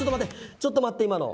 ちょっと待って今の。